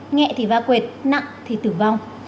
nhẹ thì va quệt nặng thì tử vong